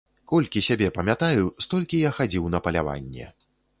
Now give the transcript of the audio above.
Колькі сябе памятаю, столькі я хадзіў на паляванне.